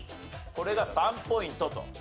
これが３ポイントと。